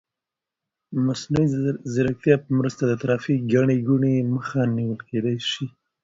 د مصنوعي ځیرکتیا په مرسته د ترافیکي ګڼې ګوڼې مخه نیول کیدای شي.